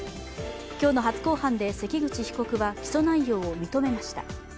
今日の初公判で関口被告は起訴内容を認めました。